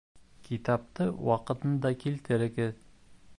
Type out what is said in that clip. Китапты ваҡытында килтерегеҙ.